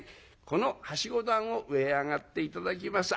この梯子段を上へ上がって頂きます。